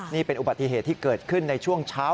นี่เป็นอุบัติเหตุที่เกิดขึ้นในช่วงเช้า